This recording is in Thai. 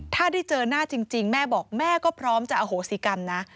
ถ้าได้เจอหน้าจริงแม่บอกแม่ก็พร้อมจะอโหสิกรรมนะ